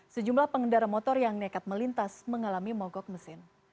sejumlah pengendara motor yang nekat melintas mengalami mogok mesin